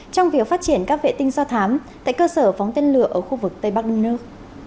trong việc phát triển các vệ tinh do thám tại cơ sở phóng tên lửa ở khu vực tây bắc đun nước